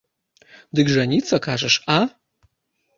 Дык жаніцца, кажаш, а?